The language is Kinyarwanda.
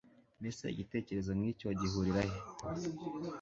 mbese igitekerezo nk'icyo gihurira he